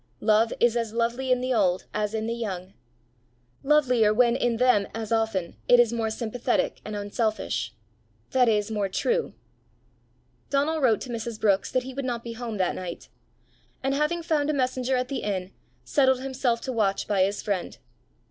Love is as lovely in the old as in the young lovelier when in them, as often, it is more sympathetic and unselfish that is, more true. Donal wrote to Mrs. Brookes that he would not be home that night; and having found a messenger at the inn, settled himself to watch by his friend.